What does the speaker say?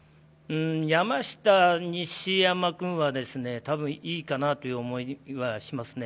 山下、西山君はいいかなという思いはしますね。